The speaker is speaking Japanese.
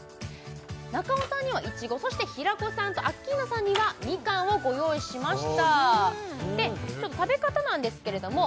中尾さんにはいちごそして平子さんとアッキーナさんにはみかんをご用意しました食べ方なんですけれども皆さん